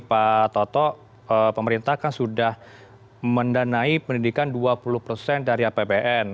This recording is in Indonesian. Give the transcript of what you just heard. pak toto pemerintah kan sudah mendanai pendidikan dua puluh persen dari apbn